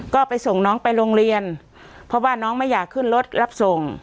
ก็ไปส่งน้องไปโรงเรียนเพราะว่าน้องไม่อยากขึ้นรถรับส่ง